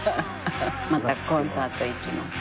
またコンサート行きます。